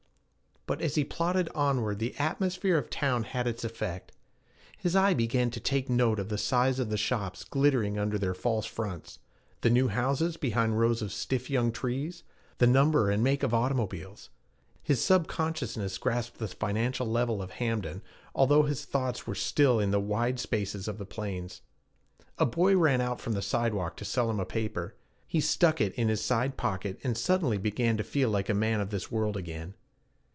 But as he plodded onward the atmosphere of town had its effect. His eye began to take note of the size of the shops glittering under their false fronts, the new houses behind rows of stiff young trees, the number and make of automobiles. His subconsciousness grasped the financial level of Hamden, although his thoughts were still in the wide spaces of the plains. A boy ran out from the side walk to sell him a paper. He stuck it in his side pocket, and suddenly began to feel like a man of this world again.